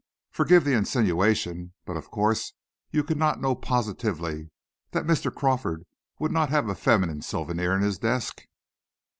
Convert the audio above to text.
"Forgive the insinuation, but of course you could not know positively that Mr. Crawford would not have a feminine souvenir in his desk."